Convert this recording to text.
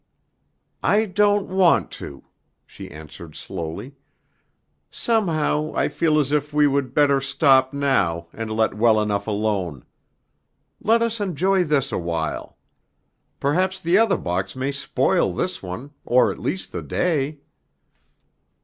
"I don't want to," she answered slowly. "Somehow I feel as if we would better stop now and let well enough alone. Let us enjoy this awhile. Perhaps the other box may spoil this one, or at least the day."